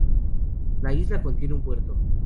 La isla contiene un puerto.